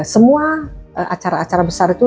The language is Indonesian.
semua acara acara besar itu